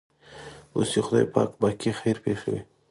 اوس دې خدای پاک باقي خیر پېښوي.